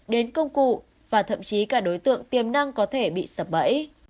đến công cụ và thậm chí cả đối tượng tiềm năng có thể bị sập bẫy